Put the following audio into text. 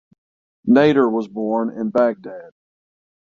Nader was born in Baghdad.